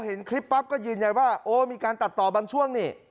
เห็นคลิปปั๊บก็ยืนยันว่าโอ้มีการตัดต่อบางช่วงนี่